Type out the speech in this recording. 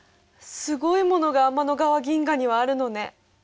すごいものが天の川銀河にはあるのね。